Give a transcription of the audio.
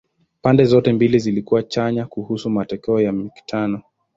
Pande zote mbili zilikuwa chanya kuhusu matokeo ya mikutano.